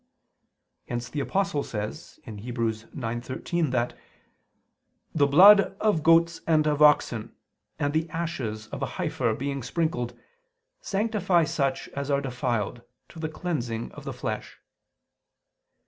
Hence the Apostle says (Heb. 9:13) that "the blood of goats and of oxen, and the ashes of a heifer, being sprinkled, sanctify such as are defiled, to the cleansing of the flesh."